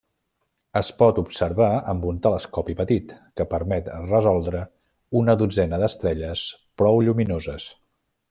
Es pot observar amb un telescopi petit, que permet resoldre una dotzena d'estrelles prou lluminoses.